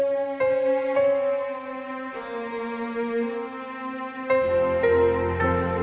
kenapa pas nxit kalau kan peny speaks newton world hit estoy pin juga omok omoknya